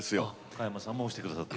加山さんも押して下さった？